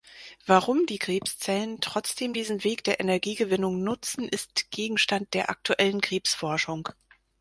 Warum die Krebszellen trotzdem diesen Weg der Energiegewinnung nutzen, ist Gegenstand der aktuellen Krebsforschung.